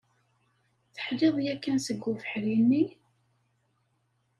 Teḥliḍ yakan seg ubeḥri-nni?